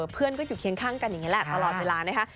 เพื่อนก็อยู่เคียงข้างกันอย่างนี้แหละตลอดเวลานะคะ